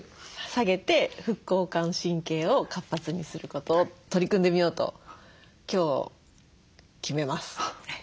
下げて副交感神経を活発にすることを取り組んでみようと今日決めます。